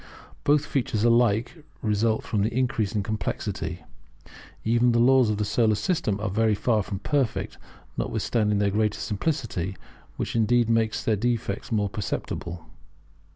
Both features alike result from the increase of complexity. Even the laws of the Solar System are very far from perfect, notwithstanding their greater simplicity, which indeed makes their defects more perceptible.